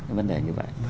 cái vấn đề như vậy